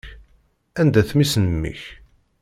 Anda-t mmi-s n mmi-k?